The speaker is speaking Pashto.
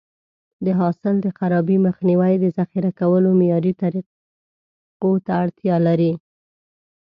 د حاصل د خرابي مخنیوی د ذخیره کولو معیاري طریقو ته اړتیا لري.